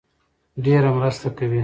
ډېره مرسته کوي